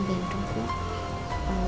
về trung quốc